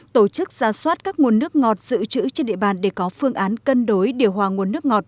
tổ chức ra soát các nguồn nước ngọt giữ chữ trên địa bàn để có phương án cân đối điều hòa nguồn nước ngọt